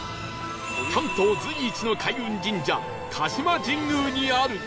関東随一の開運神社鹿島神宮にある